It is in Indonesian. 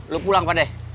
lu pulang pak deh